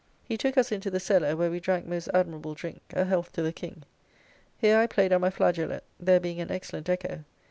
He took us into the cellar, where we drank most admirable drink, a health to the King. Here I played on my flageolette, there being an excellent echo.